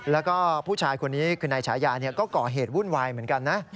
แล้วก็ผู้ชายคนนี้คือนายฉายาก็ก่อเหตุวุ่นวายเหมือนกันนะ